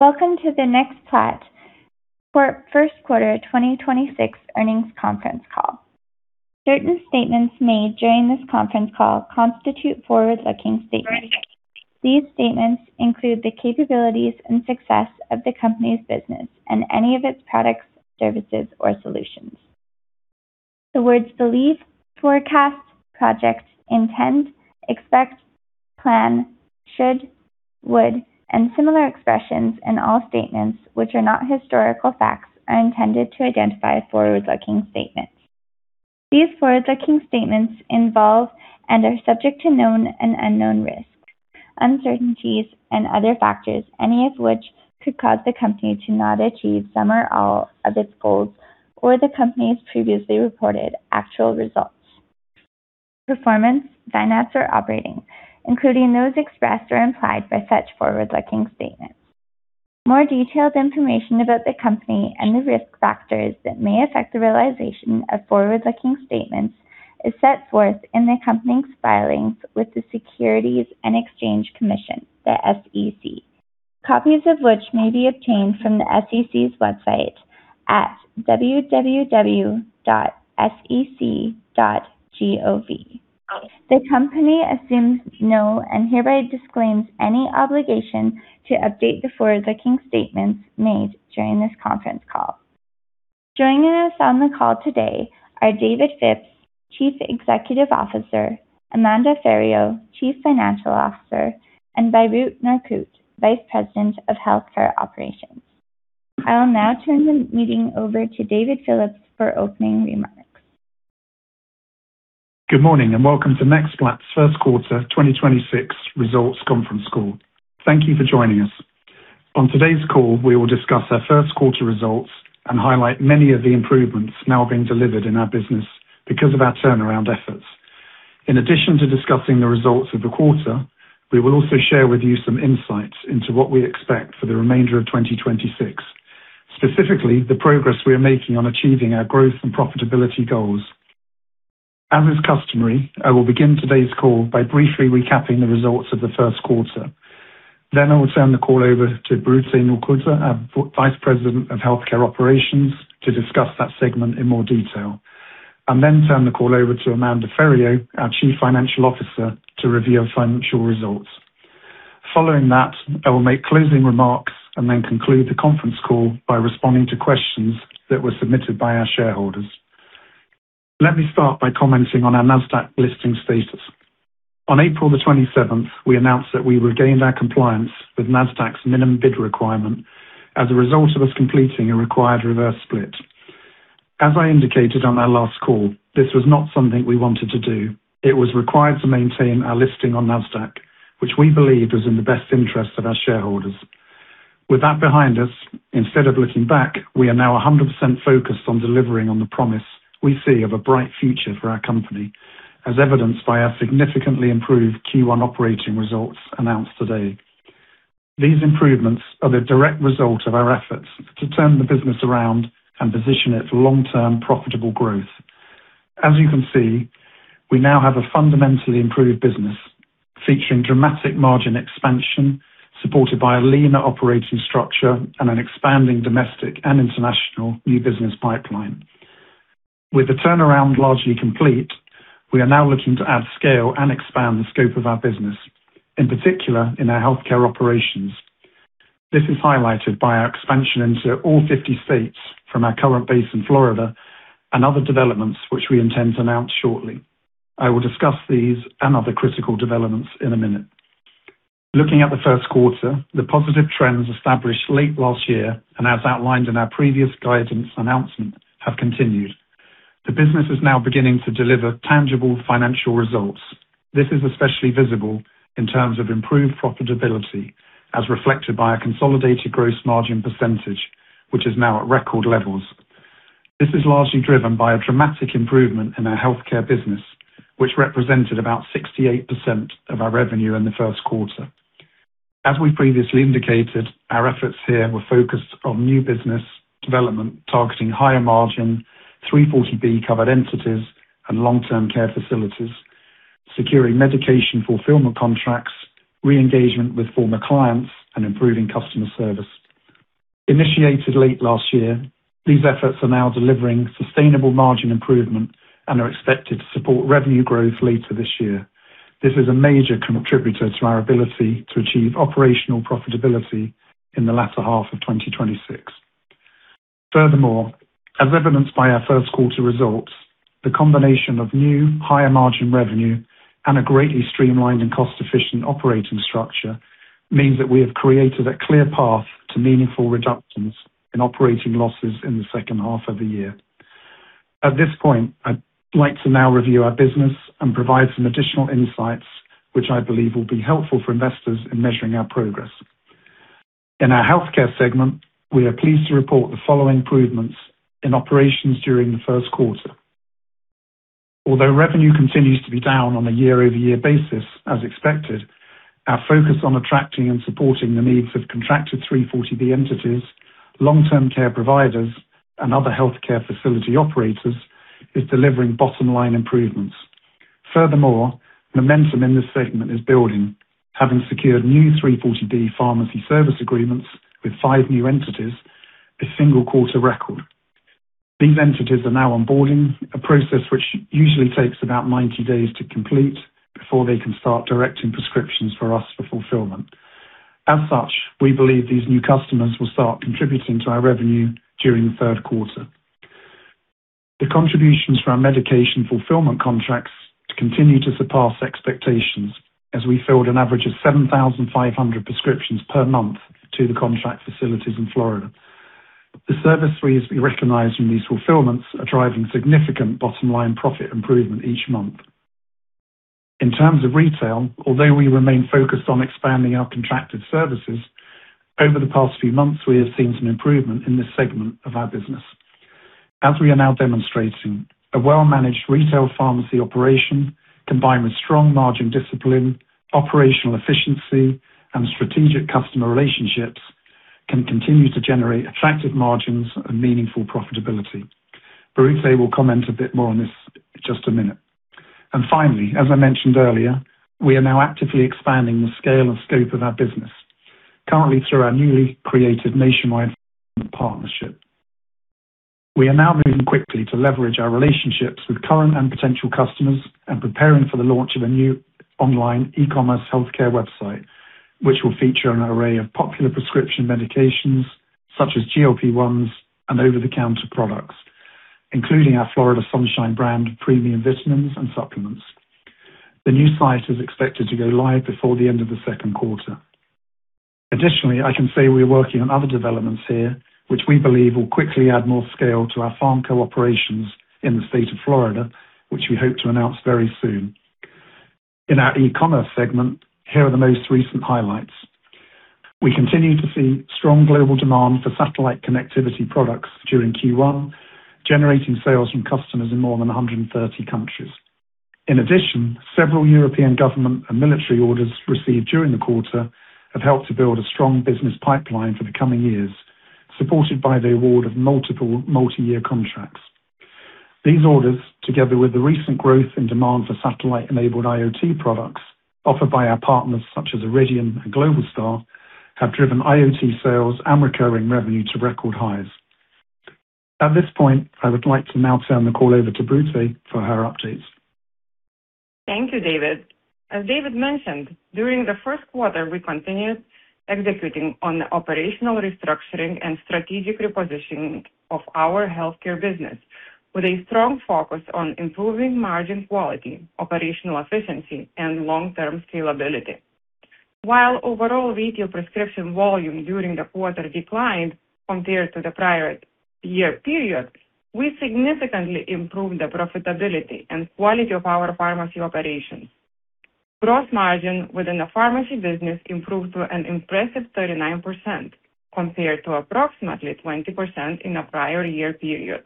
Welcome to the NextPlat first quarter 2026 earnings conference call. Certain statements made during this conference call constitute forward-looking statements. These statements include the capabilities and success of the company's business and any of its products, services, or solutions. The words believe, forecast, project, intend, expect, plan, should, would, and similar expressions in all statements which are not historical facts are intended to identify forward-looking statements. These forward-looking statements involve and are subject to known and unknown risks, uncertainties, and other factors, any of which could cause the company to not achieve some or all of its goals or the company's previously reported actual results, performance, finance, or operating, including those expressed or implied by such forward-looking statements. More detailed information about the company and the risk factors that may affect the realization of forward-looking statements is set forth in the company's filings with the Securities and Exchange Commission, the SEC. Copies of which may be obtained from the SEC's website at www.sec.gov. The company assumes no and hereby disclaims any obligation to update the forward-looking statements made during this conference call. Joining us on the call today are David Phipps, Chief Executive Officer, Amanda Ferrio, Chief Financial Officer, and Birute Norkute, Vice President of Healthcare Operations. I will now turn the meeting over to David Phipps for opening remarks. Good morning, welcome to NextPlat's first quarter 2026 results conference call. Thank you for joining us. On today's call, we will discuss our first quarter results and highlight many of the improvements now being delivered in our business because of our turnaround efforts. In addition to discussing the results of the quarter, we will also share with you some insights into what we expect for the remainder of 2026, specifically the progress we are making on achieving our growth and profitability goals. As is customary, I will begin today's call by briefly recapping the results of the first quarter. I will turn the call over to Birute Norkute, our Vice President of Healthcare Operations, to discuss that segment in more detail, and then turn the call over to Amanda Ferrio, our Chief Financial Officer, to review our financial results. Following that, I will make closing remarks and then conclude the conference call by responding to questions that were submitted by our shareholders. Let me start by commenting on our Nasdaq listing status. On April 27th, we announced that we regained our compliance with Nasdaq's minimum bid requirement as a result of us completing a required reverse split. As I indicated on our last call, this was not something we wanted to do. It was required to maintain our listing on Nasdaq, which we believed was in the best interest of our shareholders. With that behind us, instead of looking back, we are now 100% focused on delivering on the promise we see of a bright future for our company, as evidenced by our significantly improved Q1 operating results announced today. These improvements are the direct result of our efforts to turn the business around and position it for long-term profitable growth. As you can see, we now have a fundamentally improved business featuring dramatic margin expansion, supported by a leaner operating structure and an expanding domestic and international new business pipeline. With the turnaround largely complete, we are now looking to add scale and expand the scope of our business, in particular in our healthcare operations. This is highlighted by our expansion into all 50 states from our current base in Florida and other developments which we intend to announce shortly. I will discuss these and other critical developments in a minute. Looking at the first quarter, the positive trends established late last year, and as outlined in our previous guidance announcement, have continued. The business is now beginning to deliver tangible financial results. This is especially visible in terms of improved profitability, as reflected by a consolidated gross margin percentage, which is now at record levels. This is largely driven by a dramatic improvement in our healthcare business, which represented about 68% of our revenue in the first quarter. As we previously indicated, our efforts here were focused on new business development, targeting higher margin, 340B covered entities and long-term care facilities, securing medication fulfillment contracts, re-engagement with former clients, and improving customer service. Initiated late last year, these efforts are now delivering sustainable margin improvement and are expected to support revenue growth later this year. This is a major contributor to our ability to achieve operational profitability in the latter half of 2026. As evidenced by our first quarter results, the combination of new higher margin revenue and a greatly streamlined and cost-efficient operating structure means that we have created a clear path to meaningful reductions in operating losses in the second half of the year. At this point, I'd like to now review our business and provide some additional insights, which I believe will be helpful for investors in measuring our progress. In our healthcare segment, we are pleased to report the following improvements in operations during the first quarter. Revenue continues to be down on a year-over-year basis, as expected, our focus on attracting and supporting the needs of contracted 340B entities, long-term care providers, and other healthcare facility operators is delivering bottom-line improvements. Furthermore, momentum in this segment is building, having secured new 340B pharmacy service agreements with five new entities, a single quarter record. These entities are now onboarding a process which usually takes about 90 days to complete before they can start directing prescriptions for us for fulfillment. As such, we believe these new customers will start contributing to our revenue during the third quarter. The contributions for our medication fulfillment contracts continue to surpass expectations as we filled an average of 7,500 prescriptions per month to the contract facilities in Florida. The service fees we recognize from these fulfillments are driving significant bottom-line profit improvement each month. In terms of retail, although we remain focused on expanding our contracted services, over the past few months we have seen some improvement in this segment of our business. As we are now demonstrating, a well-managed retail pharmacy operation combined with strong margin discipline, operational efficiency, and strategic customer relationships can continue to generate attractive margins and meaningful profitability. Birute will comment a bit more on this in just a minute. Finally, as I mentioned earlier, we are now actively expanding the scale and scope of our business, currently through our newly created nationwide partnership. We are now moving quickly to leverage our relationships with current and potential customers and preparing for the launch of a new online e-commerce healthcare website, which will feature an array of popular prescription medications such as GLP-1s and over-the-counter products, including our Florida Sunshine brand premium vitamins and supplements. The new site is expected to go live before the end of the second quarter. Additionally, I can say we're working on other developments here, which we believe will quickly add more scale to our PharmCo operations in the state of Florida, which we hope to announce very soon. In our e-commerce segment, here are the most recent highlights. We continue to see strong global demand for satellite connectivity products during Q1, generating sales from customers in more than 130 countries. Several European government and military orders received during the quarter have helped to build a strong business pipeline for the coming years, supported by the award of multiple multi-year contracts. These orders, together with the recent growth in demand for satellite-enabled IoT products offered by our partners such as Iridium and Globalstar, have driven IoT sales and recurring revenue to record highs. At this point, I would like to now turn the call over to Birute for her updates. Thank you, David. As David mentioned, during the first quarter, we continued executing on the operational restructuring and strategic repositioning of our healthcare business with a strong focus on improving margin quality, operational efficiency, and long-term scalability. While overall retail prescription volume during the quarter declined compared to the prior year period, we significantly improved the profitability and quality of our pharmacy operations. Gross margin within the pharmacy business improved to an impressive 39% compared to approximately 20% in the prior year period.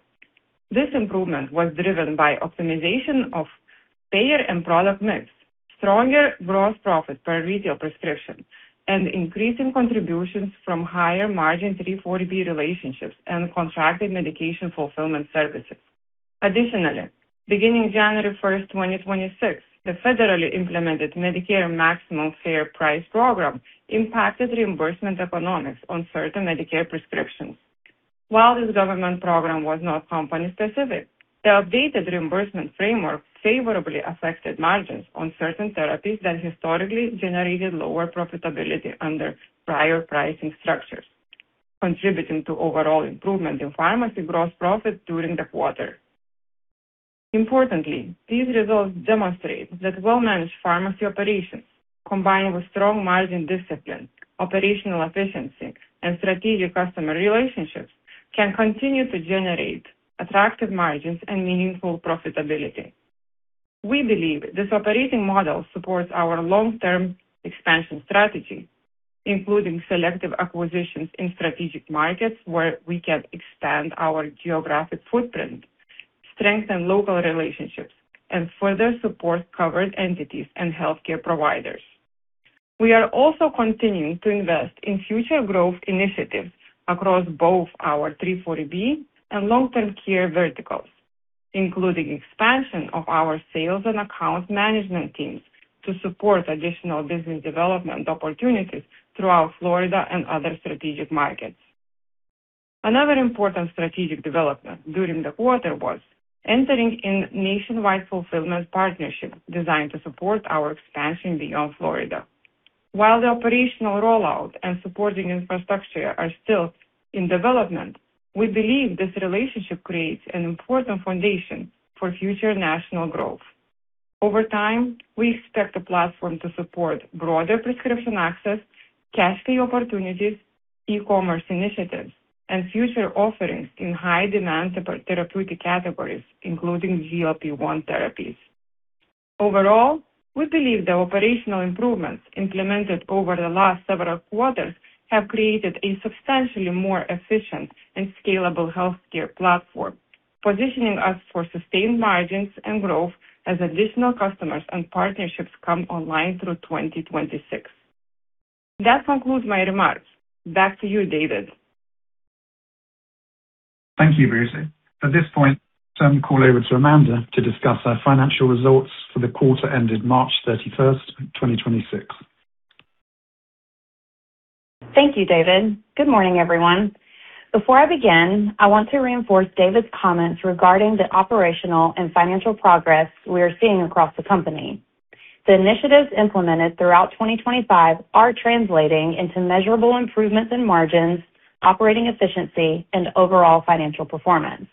This improvement was driven by optimization of payer and product mix, stronger gross profit per retail prescription, and increasing contributions from higher margin 340B relationships and contracted medication fulfillment services. Additionally, beginning January first, 2026, the federally implemented Medicare Maximum Fair Price program impacted reimbursement economics on certain Medicare prescriptions. While this government program was not company-specific, the updated reimbursement framework favorably affected margins on certain therapies that historically generated lower profitability under prior pricing structures, contributing to overall improvement in pharmacy gross profit during the quarter. Importantly, these results demonstrate that well-managed pharmacy operations, combined with strong margin discipline, operational efficiency, and strategic customer relationships, can continue to generate attractive margins and meaningful profitability. We believe this operating model supports our long-term expansion strategy, including selective acquisitions in strategic markets where we can expand our geographic footprint, strengthen local relationships, and further support covered entities and healthcare providers. We are also continuing to invest in future growth initiatives across both our 340B and long-term care verticals, including expansion of our sales and account management teams to support additional business development opportunities throughout Florida and other strategic markets. Another important strategic development during the quarter was entering in nationwide fulfillment partnership designed to support our expansion beyond Florida. While the operational rollout and supporting infrastructure are still in development, we believe this relationship creates an important foundation for future national growth. Over time, we expect the platform to support broader prescription access, cash pay opportunities, e-commerce initiatives, and future offerings in high-demand therapeutic categories, including GLP-1 therapies. Overall, we believe the operational improvements implemented over the last several quarters have created a substantially more efficient and scalable healthcare platform, positioning us for sustained margins and growth as additional customers and partnerships come online through 2026. That concludes my remarks. Back to you, David. Thank you, Birute. At this point, I'll turn the call over to Amanda to discuss our financial results for the quarter ended March 31st, 2026. Thank you, David. Good morning, everyone. Before I begin, I want to reinforce David's comments regarding the operational and financial progress we are seeing across the company. The initiatives implemented throughout 2025 are translating into measurable improvements in margins, operating efficiency, and overall financial performance.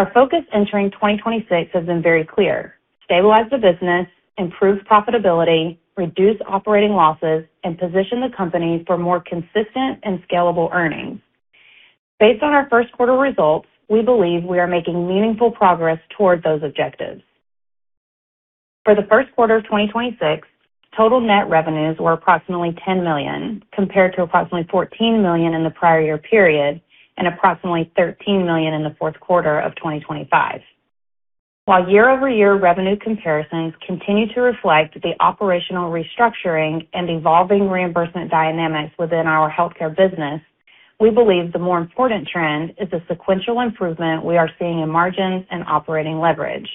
Our focus entering 2026 has been very clear: stabilize the business, improve profitability, reduce operating losses, and position the company for more consistent and scalable earnings. Based on our first quarter results, we believe we are making meaningful progress toward those objectives. For the first quarter of 2026, total net revenues were approximately $10 million, compared to approximately $14 million in the prior year period and approximately $13 million in the fourth quarter of 2025. While year-over-year revenue comparisons continue to reflect the operational restructuring and evolving reimbursement dynamics within our healthcare business, we believe the more important trend is the sequential improvement we are seeing in margins and operating leverage.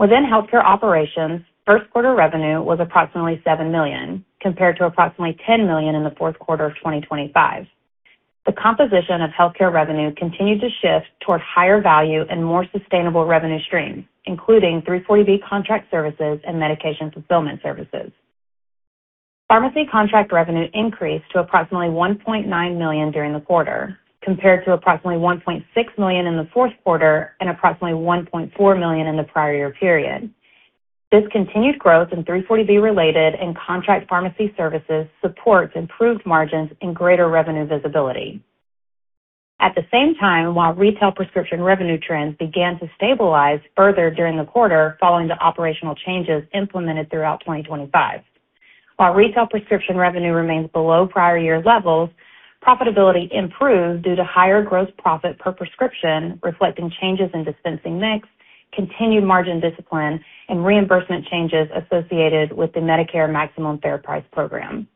Within healthcare operations, first quarter revenue was approximately $7 million, compared to approximately $10 million in the fourth quarter of 2025. The composition of healthcare revenue continued to shift toward higher value and more sustainable revenue streams, including 340B contract services and medication fulfillment services. Pharmacy contract revenue increased to approximately $1.9 million during the quarter, compared to approximately $1.6 million in the fourth quarter and approximately $1.4 million in the prior year period. This continued growth in 340B-related and contract pharmacy services supports improved margins and greater revenue visibility. At the same time, while retail prescription revenue trends began to stabilize further during the quarter following the operational changes implemented throughout 2025. While retail prescription revenue remains below prior year levels, profitability improved due to higher gross profit per prescription, reflecting changes in dispensing mix, continued margin discipline, and reimbursement changes associated with the Medicare Maximum Fair Price program.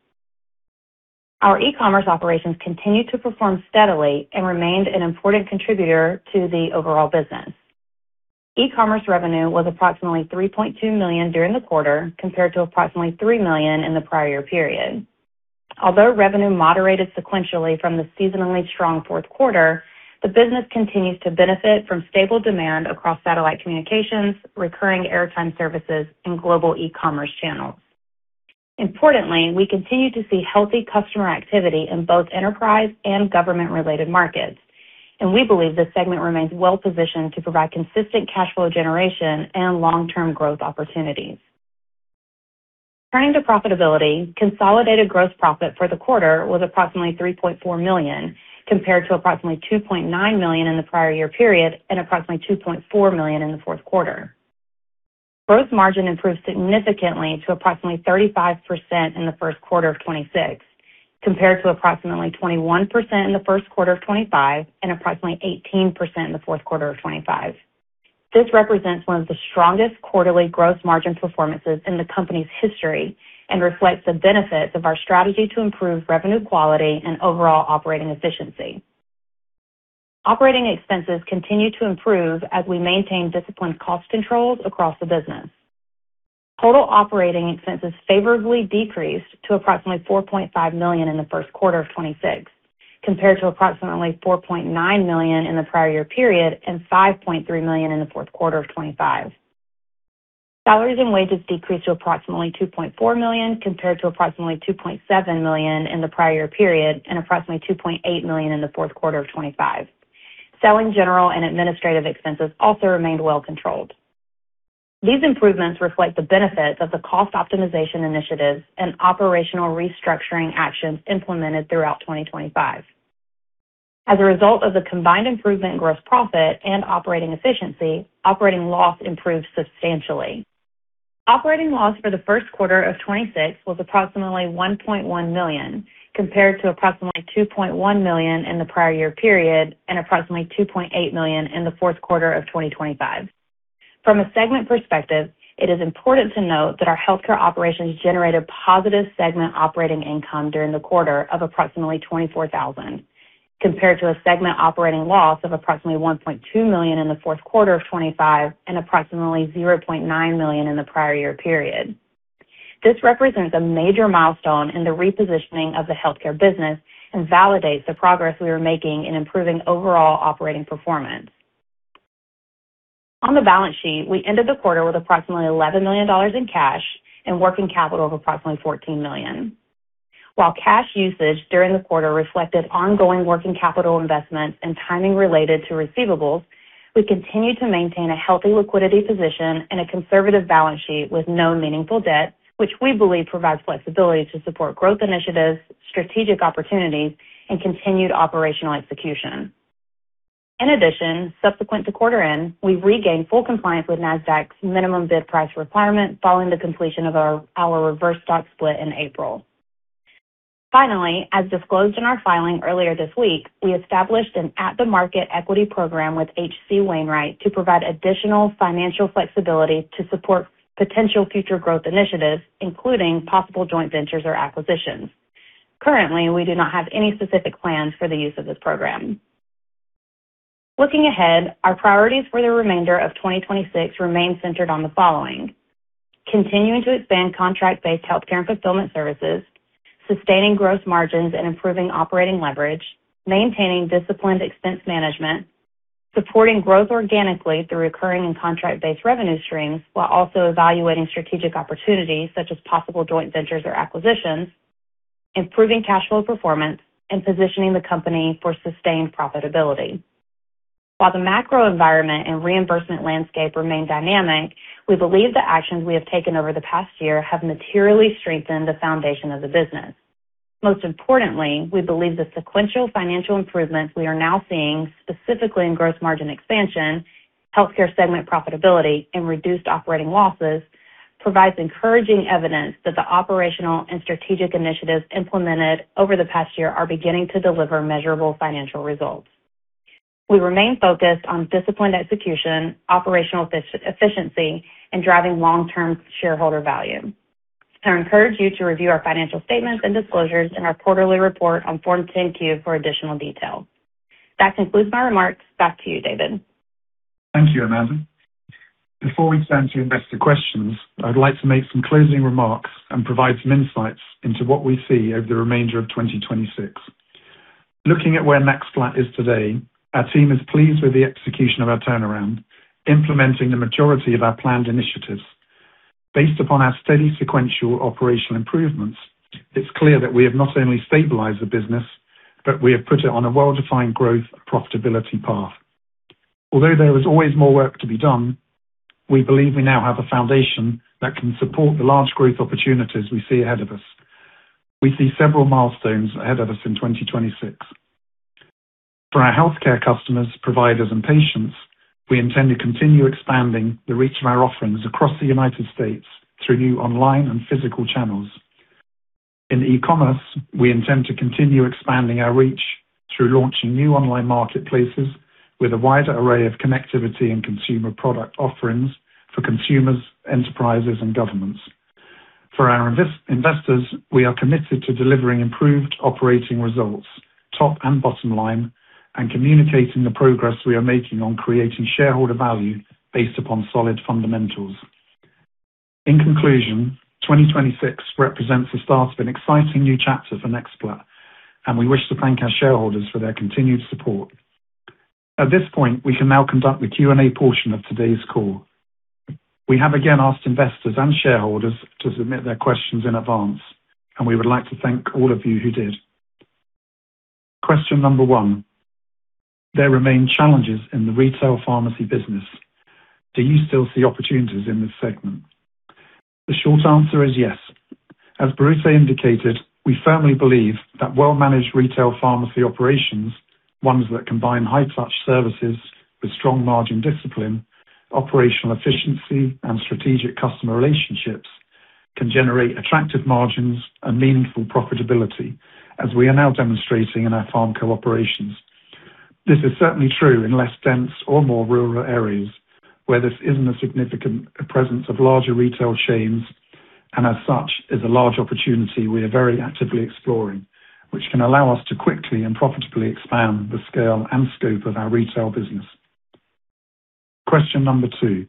Our e-commerce operations continued to perform steadily and remained an important contributor to the overall business. E-commerce revenue was approximately $3.2 million during the quarter, compared to approximately $3 million in the prior year period. Although revenue moderated sequentially from the seasonally strong fourth quarter, the business continues to benefit from stable demand across satellite communications, recurring airtime services, and global e-commerce channels. We continue to see healthy customer activity in both enterprise and government-related markets, and we believe this segment remains well-positioned to provide consistent cash flow generation and long-term growth opportunities. Turning to profitability, consolidated gross profit for the quarter was approximately $3.4 million, compared to approximately $2.9 million in the prior year period and approximately $2.4 million in the fourth quarter. Gross margin improved significantly to approximately 35% in the first quarter of 2026, compared to approximately 21% in the first quarter of 2025 and approximately 18% in the fourth quarter of 2025. This represents one of the strongest quarterly gross margin performances in the company's history and reflects the benefits of our strategy to improve revenue quality and overall operating efficiency. Operating expenses continue to improve as we maintain disciplined cost controls across the business. Total operating expenses favorably decreased to approximately $4.5 million in the first quarter of 2026, compared to approximately $4.9 million in the prior-year period and $5.3 million in the fourth quarter of 2025. Salaries and wages decreased to approximately $2.4 million, compared to approximately $2.7 million in the prior-year period and approximately $2.8 million in the fourth quarter of 2025. Selling, general, and administrative expenses also remained well-controlled. These improvements reflect the benefits of the cost optimization initiatives and operational restructuring actions implemented throughout 2025. As a result of the combined improvement in gross profit and operating efficiency, operating loss improved substantially. Operating loss for the first quarter of 2026 was approximately $1.1 million, compared to approximately $2.1 million in the prior year period and approximately $2.8 million in the fourth quarter of 2025. From a segment perspective, it is important to note that our healthcare operations generated positive segment operating income during the quarter of approximately $24,000, compared to a segment operating loss of approximately $1.2 million in the fourth quarter of 2025 and approximately $0.9 million in the prior year period. This represents a major milestone in the repositioning of the healthcare business and validates the progress we are making in improving overall operating performance. On the balance sheet, we ended the quarter with approximately $11 million in cash and working capital of approximately $14 million. While cash usage during the quarter reflected ongoing working capital investment and timing related to receivables, we continue to maintain a healthy liquidity position and a conservative balance sheet with no meaningful debt, which we believe provides flexibility to support growth initiatives, strategic opportunities, and continued operational execution. In addition, subsequent to quarter end, we've regained full compliance with Nasdaq's minimum bid price requirement following the completion of our reverse stock split in April. Finally, as disclosed in our filing earlier this week, we established an at-the-market equity program with H.C. Wainwright to provide additional financial flexibility to support potential future growth initiatives, including possible joint ventures or acquisitions. Currently, we do not have any specific plans for the use of this program. Looking ahead, our priorities for the remainder of 2026 remain centered on the following. Continuing to expand contract-based healthcare and fulfillment services, sustaining gross margins and improving operating leverage, maintaining disciplined expense management, supporting growth organically through recurring and contract-based revenue streams while also evaluating strategic opportunities such as possible joint ventures or acquisitions, improving cash flow performance and positioning the company for sustained profitability. While the macro environment and reimbursement landscape remain dynamic, we believe the actions we have taken over the past year have materially strengthened the foundation of the business. Most importantly, we believe the sequential financial improvements we are now seeing, specifically in gross margin expansion, healthcare segment profitability, and reduced operating losses, provides encouraging evidence that the operational and strategic initiatives implemented over the past year are beginning to deliver measurable financial results. We remain focused on disciplined execution, operational efficiency, and driving long-term shareholder value. I encourage you to review our financial statements and disclosures in our quarterly report on Form 10-Q for additional details. That concludes my remarks. Back to you, David. Thank you, Amanda. Before we turn to investor questions, I'd like to make some closing remarks and provide some insights into what we see over the remainder of 2026. Looking at where NextPlat is today, our team is pleased with the execution of our turnaround, implementing the majority of our planned initiatives. Based upon our steady sequential operational improvements, it's clear that we have not only stabilized the business, but we have put it on a well-defined growth and profitability path. Although there is always more work to be done, we believe we now have a foundation that can support the large growth opportunities we see ahead of us. We see several milestones ahead of us in 2026. For our healthcare customers, providers, and patients, we intend to continue expanding the reach of our offerings across the U.S. through new online and physical channels. In e-commerce, we intend to continue expanding our reach through launching new online marketplaces with a wider array of connectivity and consumer product offerings for consumers, enterprises, and governments. For our investors, we are committed to delivering improved operating results, top and bottom line, and communicating the progress we are making on creating shareholder value based upon solid fundamentals. In conclusion, 2026 represents the start of an exciting new chapter for NextPlat, and we wish to thank our shareholders for their continued support. At this point, we can now conduct the Q&A portion of today's call. We have again asked investors and shareholders to submit their questions in advance, and we would like to thank all of you who did. Question number one. There remain challenges in the retail pharmacy business. Do you still see opportunities in this segment? The short answer is yes. As Birute indicated, we firmly believe that well-managed retail pharmacy operations, ones that combine high-touch services with strong margin discipline, operational efficiency, and strategic customer relationships, can generate attractive margins and meaningful profitability, as we are now demonstrating in our PharmcoRx operations. This is certainly true in less dense or more rural areas where there isn't a significant presence of larger retail chains, and as such is a large opportunity we are very actively exploring, which can allow us to quickly and profitably expand the scale and scope of our retail business. Question number two.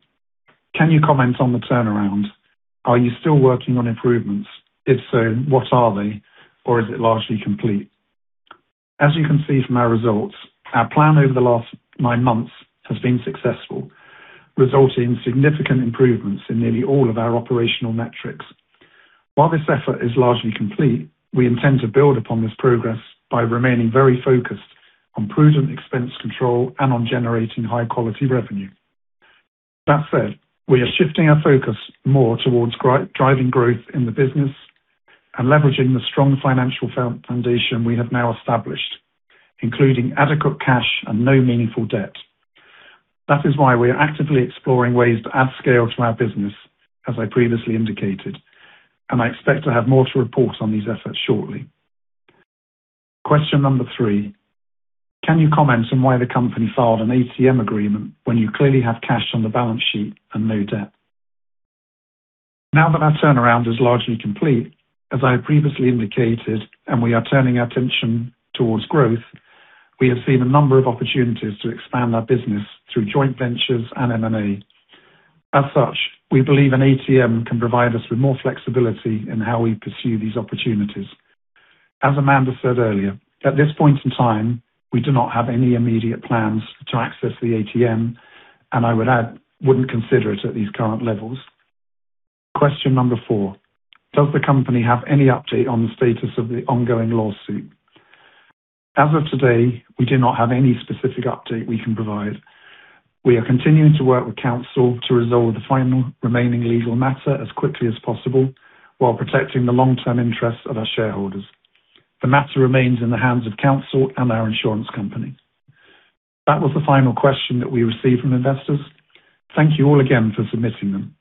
Can you comment on the turnaround? Are you still working on improvements? If so, what are they, or is it largely complete? As you can see from our results, our plan over the last 9 months has been successful, resulting in significant improvements in nearly all of our operational metrics. While this effort is largely complete, we intend to build upon this progress by remaining very focused on prudent expense control and on generating high-quality revenue. We are shifting our focus more towards driving growth in the business and leveraging the strong financial foundation we have now established, including adequate cash and no meaningful debt. That is why we are actively exploring ways to add scale to our business, as I previously indicated, and I expect to have more to report on these efforts shortly. Question number three. Can you comment on why the company filed an ATM agreement when you clearly have cash on the balance sheet and no debt? Now that our turnaround is largely complete, as I previously indicated, and we are turning our attention towards growth, we have seen a number of opportunities to expand our business through joint ventures and M&A. As such, we believe an ATM can provide us with more flexibility in how we pursue these opportunities. As Amanda said earlier, at this point in time, we do not have any immediate plans to access the ATM, and I would add, wouldn't consider it at these current levels. Question number four. Does the company have any update on the status of the ongoing lawsuit? As of today, we do not have any specific update we can provide. We are continuing to work with counsel to resolve the final remaining legal matter as quickly as possible while protecting the long-term interests of our shareholders. The matter remains in the hands of counsel and our insurance company. That was the final question that we received from investors. Thank you all again for submitting them.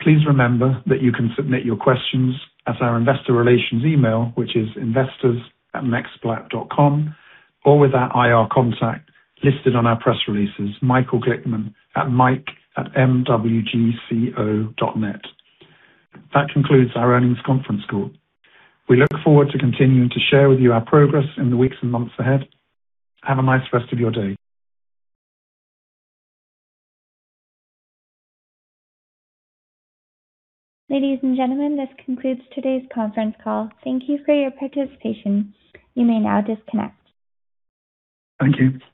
Please remember that you can submit your questions at our investor relations email, which is investors@nextplat.com, or with our IR contact listed on our press releases, Michael Glickman at mike@mwgco.net. That concludes our earnings conference call. We look forward to continuing to share with you our progress in the weeks and months ahead. Have a nice rest of your day. Ladies and gentlemen, this concludes today's conference call. Thank you for your participation. You may now disconnect. Thank you.